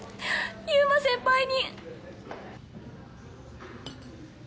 優馬先輩に！